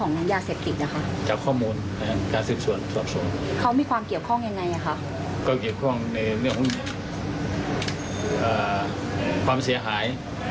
น่าจะมีข้อมูลเชื่อมโดยกว่าเหมือนอันนั้น